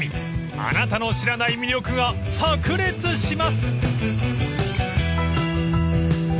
［あなたの知らない魅力が炸裂します］